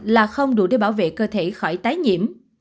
là không đủ để bảo vệ cơ thể khỏi tái nhiễm